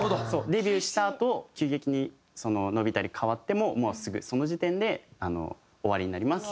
デビューしたあと急激に伸びたり変わってももうすぐその時点で終わりになります。